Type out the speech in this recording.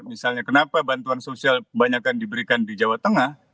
misalnya kenapa bantuan sosial kebanyakan diberikan di jawa tengah